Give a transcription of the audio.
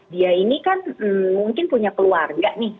dia ini kan mungkin punya keluarga nih